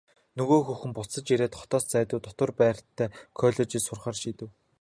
Нөгөө хүүхэд буцаж ирээд хотоос зайдуу дотуур байртай коллежид сурахаар шийдэв.